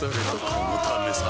このためさ